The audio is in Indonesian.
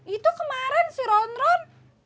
itu kemarin si ronron